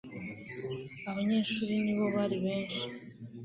abanyeshuli (ni bo bari benshi